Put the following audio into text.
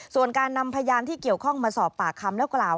ส่วนการนำพยานที่เกี่ยวข้องมาสอบปากคำแล้วกล่าว